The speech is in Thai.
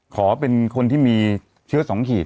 ขอเป็นคนที่มีเชื้อ๒ขีด